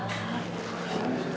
tidak ada apa apa